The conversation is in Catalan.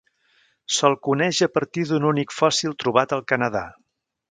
Se'l coneix a partir d'un únic fòssil trobat al Canadà.